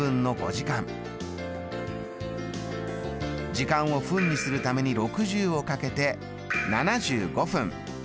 時間を分にするために６０をかけて７５分。